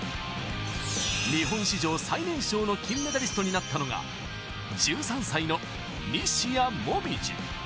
日本史上最年少の金メダリストになったのが、１３歳の西矢椛。